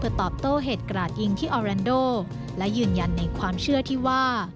ตอบโต้เหตุกราดยิงที่ออแรนโดและยืนยันในความเชื่อที่ว่า